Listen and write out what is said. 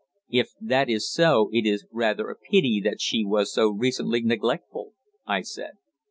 "If that is so it is rather a pity that she was recently so neglectful," I said.